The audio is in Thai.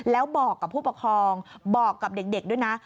แล้วบอกกับผู้ปกครองบอกกับเด็กด้วยนะ